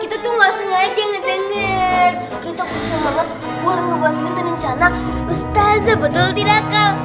kita usah banget buat ngebantuin rencana ustazah padahal tidak akan